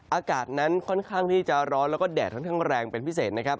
อากาศนั้นค่อนข้างที่จะร้อนแล้วก็แดดค่อนข้างแรงเป็นพิเศษนะครับ